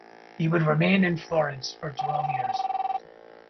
He would remain in Florence for twelve years.